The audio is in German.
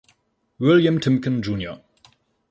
William Timken jr.